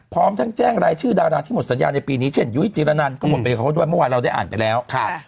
พร้อมทั้งแจ้งรายชื่อดาราที่หมดสัญญาในปีนี้เช่นยุ้ยจิรนันก็หมดไปกับเขาด้วยเมื่อวานเราได้อ่านไปแล้ว